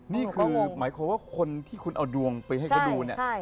นี่คือหมายความว่าคนที่คุณเอาดวงไปให้เขาดูเนี่ย